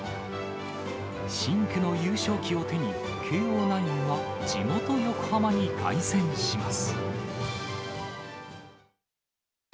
深紅の優勝旗を手に、慶応ナインは地元、横浜に凱旋します。